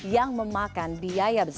yang menolak pembelaan helmi